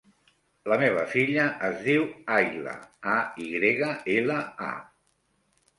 La meva filla es diu Ayla: a, i grega, ela, a.